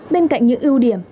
bên cạnh những yêu cầu